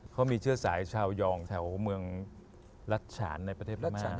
เขามีเชื้อสายชาวยองแถวเมืองรัชฉานในประเทศพม่า